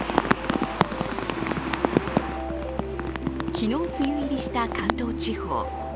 昨日、梅雨入りした関東地方。